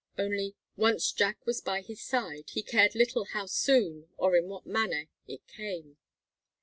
Only, once Jack was by his side, he cared little how soon or in what manner it came.